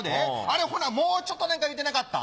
あれほなもうちょっと何か言うてなかった？